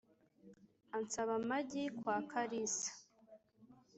Ansaba amagi kwa Karisa,